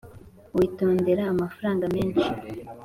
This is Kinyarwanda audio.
witondere amafaranga menshi